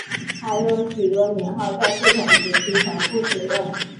还有许多年号在不同时期重复使用。